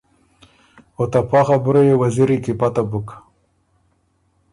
او ته پا خبُره يې وزیری کی پته بُک۔